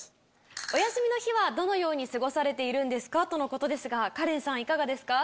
お休みの日はどのように過ごされているんですか？とのことですがカレンさんいかがですか？